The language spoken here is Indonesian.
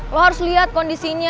lo harus liat kondisinya